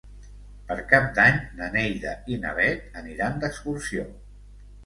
Per Cap d'Any na Neida i na Bet aniran d'excursió.